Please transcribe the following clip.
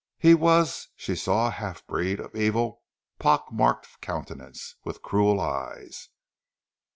He was, she saw, a half breed of evil, pock marked countenance, with cruel eyes.